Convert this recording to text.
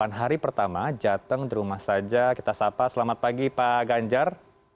pada hari pertama jateng dirumah sajen kita sapa selamat pagi pak ganjar